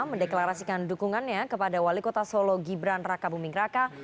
mendeklarasikan dukungannya kepada wali kota solo gibran raka buming raka